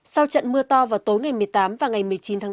sau trận mưa to vào tối ngày một mươi tám và ngày một mươi chín tháng bốn